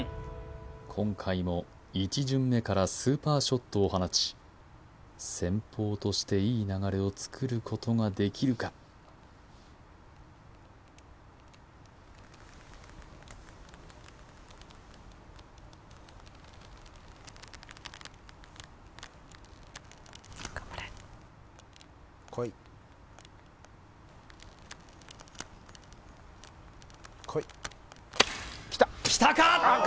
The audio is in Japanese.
今回も１巡目からスーパーショットを放ち先鋒としていい流れをつくることができるかきたか！